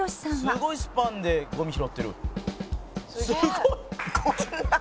「すごいスパンでゴミ拾ってる」「すごい」「こんな」